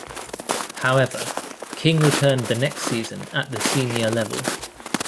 However, King returned the next season at the senior level.